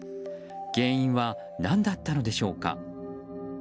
原因は何だったのでしょうか？